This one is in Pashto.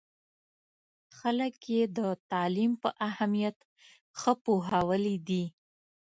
خلک یې د تعلیم په اهمیت ښه پوهولي دي.